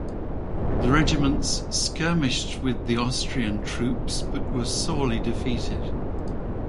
The regiments skirmished with the Austrian troops but were sorely defeated.